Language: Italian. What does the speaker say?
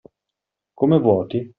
Come vuoti?